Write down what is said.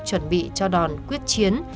chuẩn bị cho đòn quyết chiến